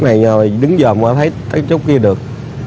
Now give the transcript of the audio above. chốt này đứng dòm thấy chốt kia được